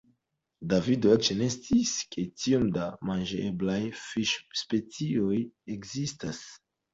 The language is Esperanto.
Davido eĉ ne sciis, ke tiom da manĝeblaj fiŝspecioj ekzistas.